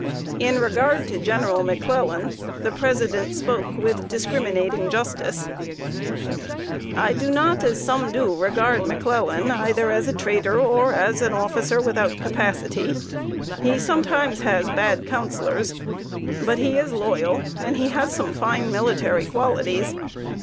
In regard to General McClellan, the President spoke with discriminating justice: "I do not, as some do, regard McClellan either as a traitor or an officer without capacity. He sometimes has bad counselors, but he is loyal, and he has some fine military qualities.